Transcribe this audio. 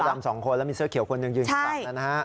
เสื้อดำ๒คนแล้วมีเสื้อเขียวคนหนึ่งอยู่ในฝั่งนั้น